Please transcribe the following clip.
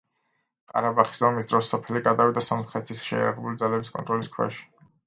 ყარაბაღის ომის დროს სოფელი გადავიდა სომხეთის შეიარაღებული ძალების კონტროლის ქვეშ.